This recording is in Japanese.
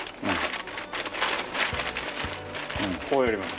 こうやります。